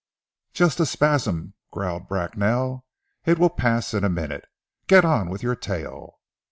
"Just a spasm," growled Bracknell. "It will pass in a minute. Get on with your tale."